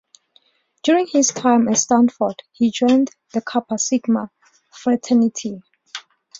During his time at Stanford he joined the Kappa Sigma fraternity.